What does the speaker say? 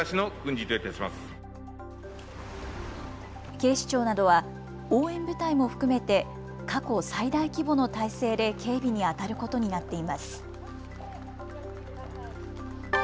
警視庁などは応援部隊も含めて過去最大規模の態勢で警備にあたることになっています。